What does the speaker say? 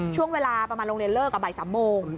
ช่วงเวลาประมาณโรงเรียนเลิกบ่าย๓โมง